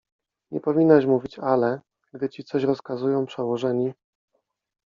— Nie powinnaś mówić „ale”, gdy ci coś rozkazują przełożeni.